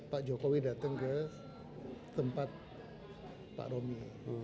pak jokowi datang ke tempat pak romi